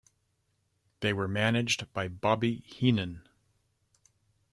They were managed by Bobby Heenan.